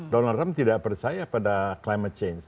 donald trump tidak percaya pada climate change